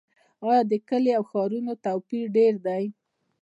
آیا د کلیو او ښارونو توپیر ډیر دی؟